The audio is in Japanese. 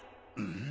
ん？